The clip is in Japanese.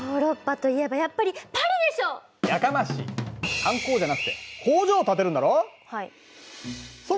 観光じゃなくて工場を建てるんだろ？